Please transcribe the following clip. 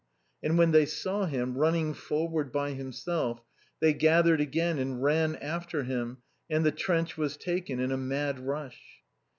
And when they saw him, running forward by himself, they gathered again and ran after him and the trench was taken in a mad rush.